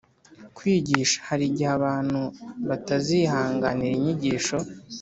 kwigisha Hari igihe abantu batazihanganira inyigisho